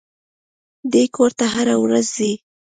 دى کور ته هره ورځ ځي.